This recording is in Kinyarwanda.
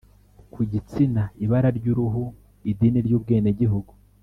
Ku gitsina ibara ry uruhu idini n ubwenegihugu